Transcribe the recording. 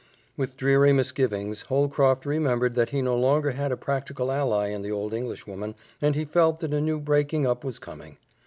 With dreary misgivings, Holcroft remembered that he no longer had a practical ally in the old Englishwoman, and he felt that a new breaking up was coming.